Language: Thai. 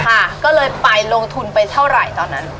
ค่ะก็เลยไปลงทุนไปเท่าไหร่ตอนนั้น